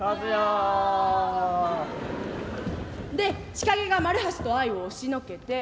で千影が丸橋と愛衣を押しのけて。